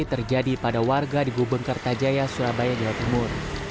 terjadi pada warga di gubeng kertajaya surabaya jawa timur